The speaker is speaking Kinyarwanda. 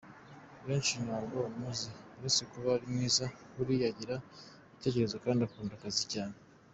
Benshi ntabwo bamuzi, uretse kuba ari mwiza buriya agira ibitekerezo kandi akunda akazi cyane.